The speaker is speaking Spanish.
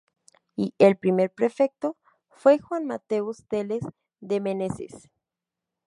Y, el primer prefecto fue Juán Matheus Teles de Menezes.